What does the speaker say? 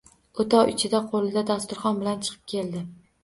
O‘tov ichidan qo‘lida dasturxon bilan chiqib keldi.